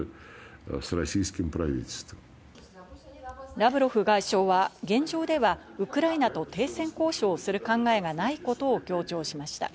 ラブロフ外相は、現状ではウクライナと停戦交渉をする考えがないことを強調しました。